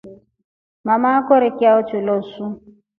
Mama akore chao kilosu.